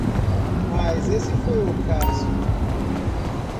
Mas esse foi o caso.